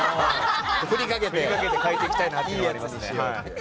振りかけて変えていきたいなと思いますね。